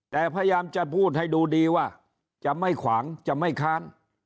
แต่พยายามจะพูดให้ดูดีว่าจะไม่ขวางจะไม่ค้าน